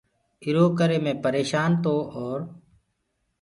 ايٚرو ڪري مي پريشآن تو اور